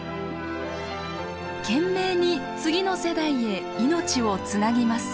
懸命に次の世代へ命をつなぎます。